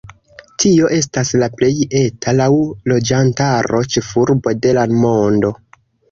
Tio estas la plej eta laŭ loĝantaro ĉefurbo de la mondo.